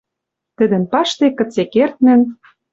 Тӹдӹн паштек кыце-кердмӹн